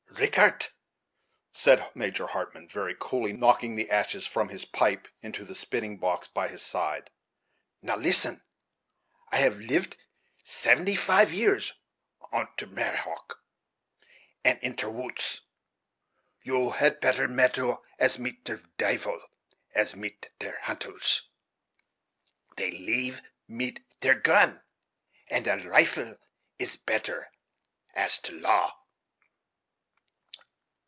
"Richart," said Major Hartmann, very coolly knocking the ashes from his pipe into the spitting box by his side, "now listen; I have livet seventy five years on ter Mohawk, and in ter woots. You had better mettle as mit ter deyvel, as mit ter hunters, Tey live mit ter gun, and a rifle is better as ter law."